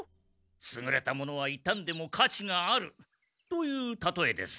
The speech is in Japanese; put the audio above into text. すぐれたものはいたんでも価値があるというたとえです。